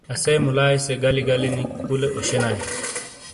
اسے مولائی سے گلی گلی نی کولے اوشے نائی